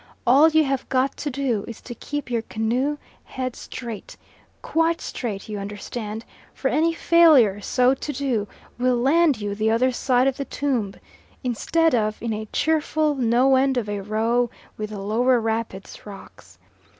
All you have got to do is to keep your canoe head straight quite straight, you understand for any failure so to do will land you the other side of the tomb, instead of in a cheerful no end of a row with the lower rapid's rocks.